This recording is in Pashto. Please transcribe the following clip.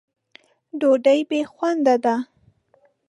ډوډۍ بې خونده ده.